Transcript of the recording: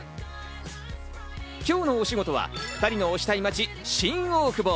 今日の推しゴトは、２人の推したい街・新大久保。